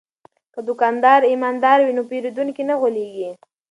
که دوکاندار ایماندار وي نو پیرودونکی نه غولیږي.